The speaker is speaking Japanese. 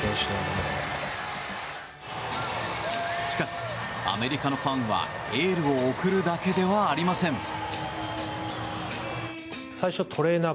しかし、アメリカのファンはエールを送るだけではありません。